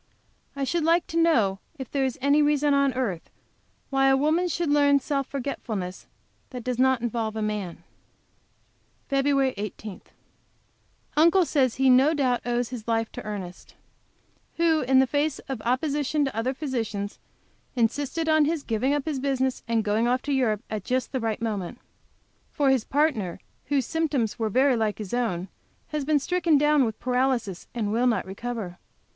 I should like to know if there is any reason on earth why a woman should learn self forgetfulness that does not apply to a man? FEB. 18. Uncle says he has no doubt he owes his life to Ernest, who, in the face of opposition to other physicians, insisted on his giving up his business and going off to Europe at just the right moment. For his partner, whose symptoms were very like his own, has been stricken down with paralysis, and will not recover.